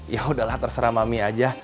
yaudahlah terserah mami aja